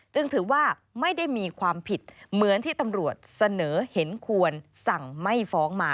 จึงถือว่าไม่ได้มีความผิดเหมือนที่ตำรวจเสนอเห็นควรสั่งไม่ฟ้องมา